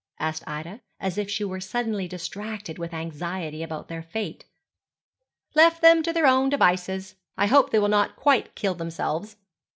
asked Ida, as if she were suddenly distracted with anxiety about their fate. 'Left them to their own devices. I hope they will not quite kill themselves.